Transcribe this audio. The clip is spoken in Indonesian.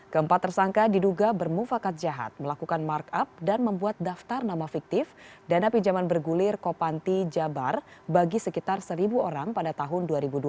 keempat tersangka diduga bermufakat jahat melakukan markup dan membuat daftar nama fiktif dana pinjaman bergulir kopanti jabar bagi sekitar seribu orang pada tahun dua ribu dua puluh